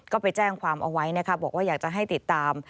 ก็ไปแจ้งความเอาไว้นะคะบอกว่าอยากจะให้ติดตาม